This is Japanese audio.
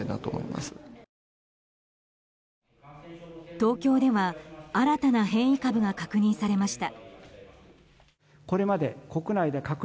東京では新たな変異株が確認されました。